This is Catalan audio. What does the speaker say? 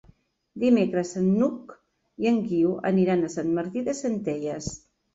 Dimecres n'Hug i en Guiu aniran a Sant Martí de Centelles.